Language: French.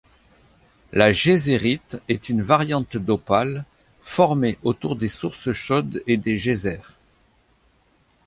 La geysérite est une variante d'opale formée autour des sources chaudes et des geysers.